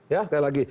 ya sekali lagi